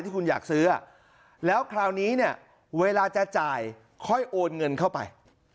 ที่คุณอยากซื้อแล้วคราวนี้เนี่ยเวลาจะจ่ายค่อยโอนเงินเข้าไป